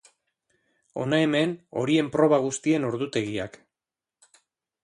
Hona hemen horien proba guztien ordutegiak.